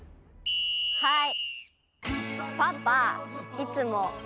はい。